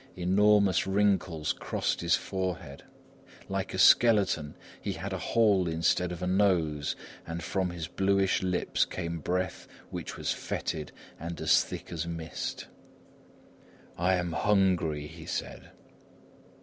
Enormous wrinkles crossed his forehead. Like a skeleton, he had a hole instead of a nose, and from his bluish lips came breath which was fetid and as thick as mist. "I am hungry," he said.